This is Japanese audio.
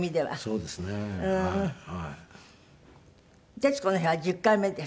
『徹子の部屋』は１０回目です。